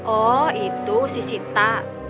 oh itu si sita